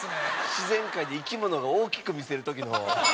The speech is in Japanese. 自然界で生き物が大きく見せる時の。